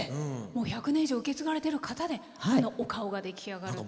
１００年以上受け継がれてる方でお顔が出来上がるという。